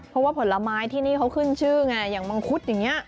เพราะว่าผลไม้ที่นี่เขาขึ้นชื่อไงอย่างมังคุดอย่างนี้